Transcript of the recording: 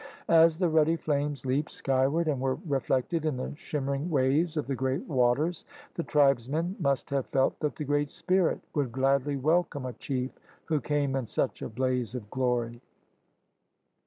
As the ruddy flames leaped skyward and were reflected in the shimmering waves of the great waters the tribesmen must have felt that the Great Spirit would gladly welcome a chief who came in such a blaze of glory.